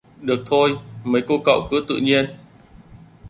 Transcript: Được thôi mấy cô cậu cứ tự nhiên